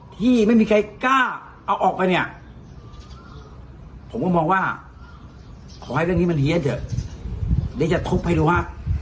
ที่ไม่มีใครกล้าเอาออกไปเนี่ยผมก็มองว่าขอให้เรื่องนี้มันเหี้ยเถอะ